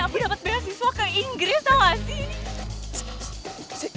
aku dapat beasiswa ke inggris tau gak sih ini